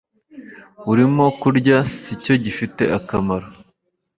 urimo kurya si cyo gifite akamaro